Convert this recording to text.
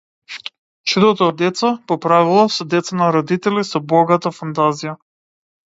Чудото од деца, по правило, се деца на родители со богата фантазија.